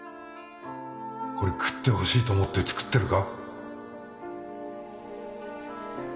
これ食ってほしいと思って作ってるか？